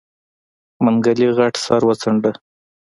منګلي غټ سر وڅنډه.